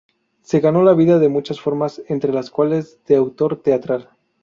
Se ganó la vida de muchas formas, entre las cuales de autor teatral.